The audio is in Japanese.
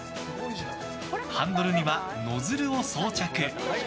ハンドルにはノズルを装着。